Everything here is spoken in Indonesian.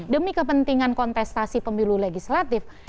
demi kepentingan kontestasi pemilu legislatif